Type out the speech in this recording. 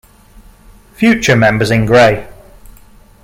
Future members in gray.